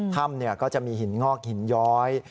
ถ้ำก็จะมีหินงอกหินย้อย